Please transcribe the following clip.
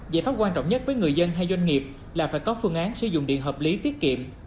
giải pháp quan trọng nhất với người dân hay doanh nghiệp là phải có phương án sử dụng điện hợp lý tiết kiệm